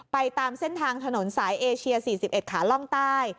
ตามเส้นทางถนนสายเอเชีย๔๑ขาล่องใต้